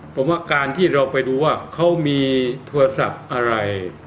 ผมว่าการที่เราไปดูว่าเขามีโทรศัพท์อะไร